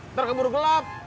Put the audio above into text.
ntar keburu gelap